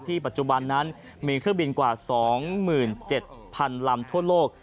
ปัจจุบันนั้นมีเครื่องบินกว่า๒๗๐๐๐ลำทั่วโลก